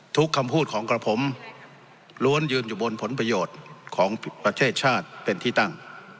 คำพูดของกระผมล้วนยืนอยู่บนผลประโยชน์ของประเทศชาติเป็นที่ตั้ง